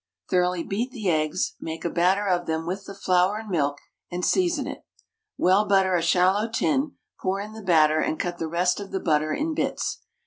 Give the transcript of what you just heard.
Thoroughly beat the eggs, make a batter of them with the flour and milk, and season it. Well butter a shallow tin, pour in the batter, and cut the rest of the butter in bits.